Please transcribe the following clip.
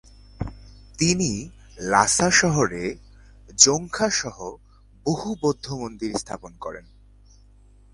তিনি লাসা শহরে জোখাং সহ বহু বৌদ্ধ মন্দির স্থাপন করেন।